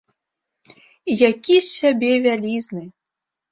І які з сябе вялізны!